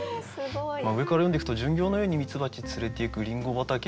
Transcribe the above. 上から読んでいくと「巡業のようにミツバチつれてゆくリンゴ畑へ」